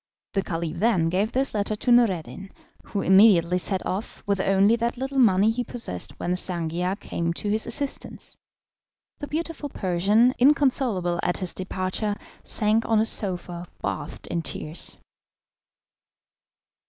The Caliph then gave this letter to Noureddin, who immediately set off, with only what little money he possessed when Sangiar came to his assistance. The beautiful Persian, inconsolable at his departure, sank on a sofa bathed in tears.